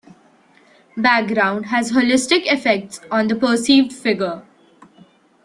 Background has holistic effects on the perceived figure.